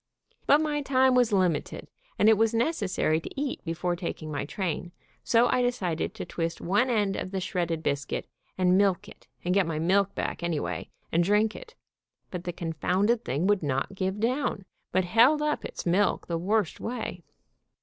But my time was limited, and it was necessary to eat before taking my train, so I decided to twist one end of the shredded bis cuit, and milk it, and get my milk back anyway, and drink it, but the confounded thing would not give down, but held up its milk the worst way.